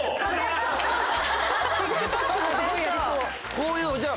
こういう。